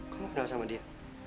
kamu kenal sama dia